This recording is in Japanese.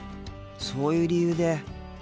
そういう理由で。